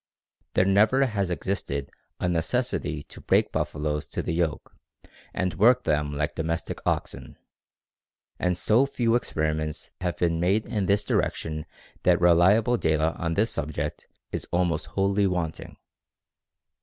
There never has existed a necessity to break buffaloes to the yoke and work them like domestic oxen, and so few experiments have been made in this direction that reliable data on this subject is almost wholly wanting.